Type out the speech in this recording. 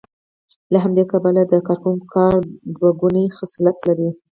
له همدې کبله د کارکوونکو کار دوه ګونی خصلت لري